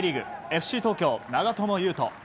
ＦＣ東京、長友佑都